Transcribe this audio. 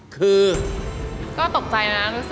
ขอบคุณครับ